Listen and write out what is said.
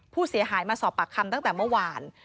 ผู้เสียหายมาสอบปากคำตั้งแต่เมื่อวาน